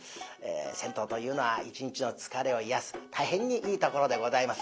銭湯というのは一日の疲れを癒やす大変にいいところでございます。